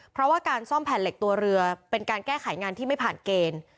เพราะว่าการซ่อมแผ่นเหล็กตัวเรือเป็นการแก้ไขงานที่ไม่ผ่านเกณฑ์